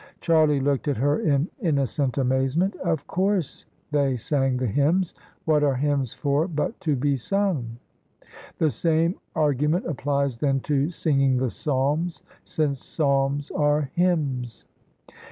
Charlie looked at her in innocent amazement. "Of course they sang the hymns. What are hymns for but to be sung?" " The same argument applies then to singing the psalms, since psalms are hymns."